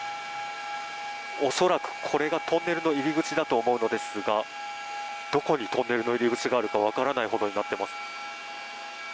恐らくこれがトンネルの入り口だと思うのですがどこにトンネルの入り口があるか分からないほどになっています。